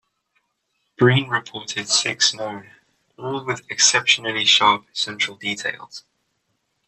Breen reported six known, all with exceptionally sharp central details.